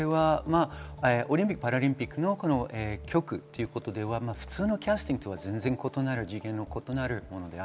オリンピック・パラリンピックの曲ということでは普通のキャスティングとは異なる次元のことです。